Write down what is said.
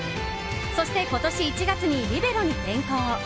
そして、今年１月にリベロに転向。